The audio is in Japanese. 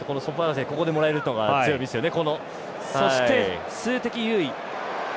ここでもらえるのが強みですよね。